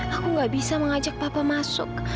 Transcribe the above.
aku gak bisa mengajak papa masuk